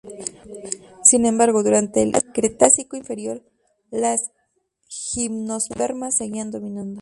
Sin embargo, durante el Cretácico inferior, las gimnospermas seguían dominando.